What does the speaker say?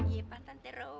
yee pak tante rau